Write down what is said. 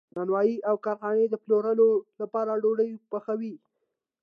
نانوایی او کارخانې د پلورلو لپاره ډوډۍ پخوي.